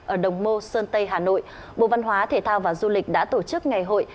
ở đồng mô sơn tây hà nội bộ văn hóa thể thao và du lịch đã tổ chức ngày hội